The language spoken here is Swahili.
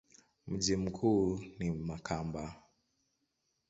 Mji mkuu ni Makamba.